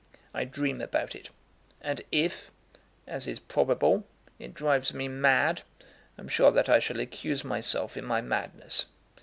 I dream about it; and if, as is probable, it drives me mad, I'm sure that I shall accuse myself in my madness.